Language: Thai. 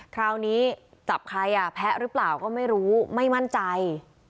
คราวนี้จับใครอ่ะแพ้หรือเปล่าก็ไม่รู้ไม่มั่นใจ